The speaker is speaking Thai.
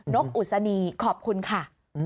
นกอุศนีขอบคุณค่ะ